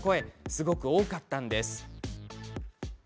すごく多かったんです。